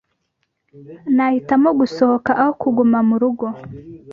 Nahitamo gusohoka aho kuguma murugo.